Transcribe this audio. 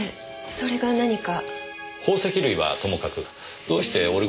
それが何か？